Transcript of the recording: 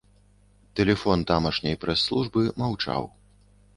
Тэлефон тамашняй прэс-службы маўчаў.